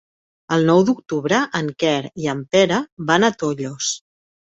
El nou d'octubre en Quer i en Pere van a Tollos.